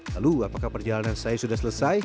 lalu apakah perjalanan saya sudah selesai